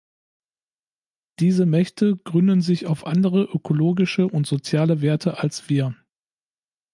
Diese Mächte gründen sich auf andere ökologische und soziale Werte als wir.